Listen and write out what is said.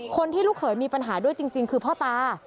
ลูกเขยมีปัญหาด้วยจริงคือพ่อตา